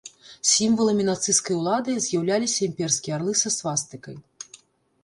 Сімваламі нацысцкай ўлады з'яўляліся імперскія арлы са свастыкай.